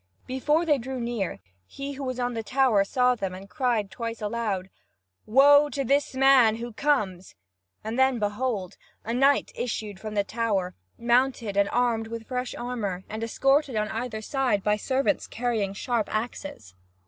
Before they drew near, he who was on the tower saw them and cried twice aloud: "Woe to this man who comes!" And then behold! A knight issued from the tower, mounted and armed with fresh armour, and escorted on either side by servants carrying sharp axes.